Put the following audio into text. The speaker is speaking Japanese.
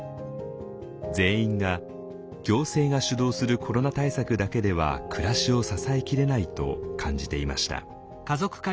全員が行政が主導するコロナ対策だけでは暮らしを支えきれないと感じていました。